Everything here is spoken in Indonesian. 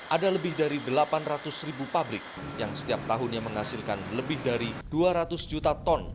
ada lebih dari delapan ratus ribu pabrik yang setiap tahunnya menghasilkan lebih dari dua ratus juta ton